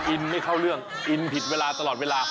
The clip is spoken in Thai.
ไม่เข้าเรื่องอินผิดเวลาตลอดเวลา